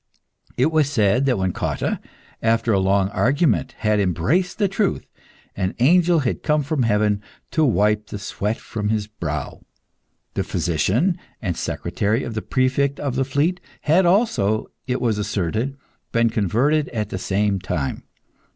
It was said that when Cotta, after a long argument, had embraced the truth, an angel had come from heaven to wipe the sweat from his brow. The physician and secretary of the Prefect of the Fleet had also, it was asserted, been converted at the same time.